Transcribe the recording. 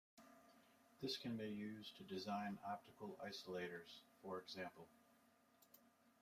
This can be used to design optical isolators, for example.